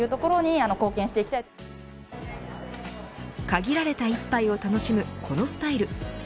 限られた１杯を楽しむこのスタイル。